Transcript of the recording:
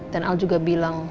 dan al juga bilang